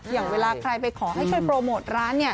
อย่างเวลาใครไปขอให้ช่วยโปรโมทร้านเนี่ย